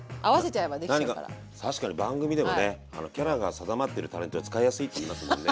何か確かに番組でもねキャラが定まってるタレントは使いやすいって言いますもんね。